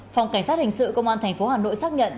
phòng cảnh sát hình sự công an tp hà nội xác nhận